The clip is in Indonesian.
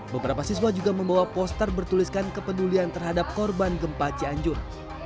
beberapa siswa juga membawa poster bertuliskan kepedulian terhadap korban gempa cianjur